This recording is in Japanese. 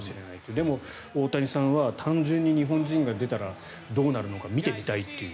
でも、大谷さんは単純に日本人が出たらどうなるのか見てみたいという。